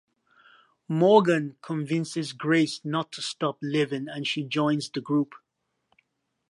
Morgan convinces Grace not to stop living and she joins the group.